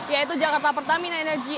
yaitu jakarta pertamina energy